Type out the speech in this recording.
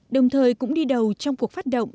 đồng thời cũng đi đầu trong cuộc phát động